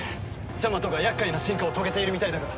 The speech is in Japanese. ジャマトが厄介な進化を遂げているみたいだから。